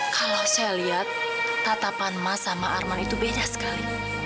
kalau saya lihat tatapan mas sama arman itu beda sekali